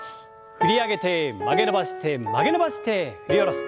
振り上げて曲げ伸ばして曲げ伸ばして振り下ろす。